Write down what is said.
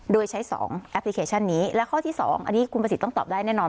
โดยใช้๒แอปพลิเคชันนี้และข้อที่๒อันนี้คุณประสิทธิ์ต้องตอบได้แน่นอน